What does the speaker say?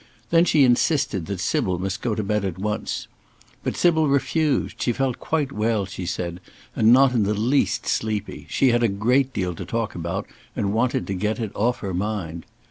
Then she insisted that Sybil must go to bed at once. But Sybil refused; she felt quite well, she said, and not in the least sleepy; she had a great deal to talk about, and wanted to get it off her mind.